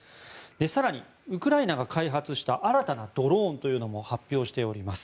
更に、ウクライナが開発した新たなドローンというのも発表しております。